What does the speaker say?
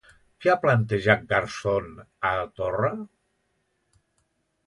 Què ha plantejat Garzón a Torra?